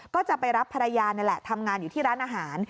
ก็จะไปรับภรรยานี่แหละทำงานอยู่ที่ร้านอาหาร